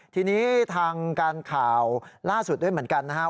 ทีนี้ทางการข่าวล่าสุดด้วยเหมือนกันนะครับ